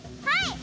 はい！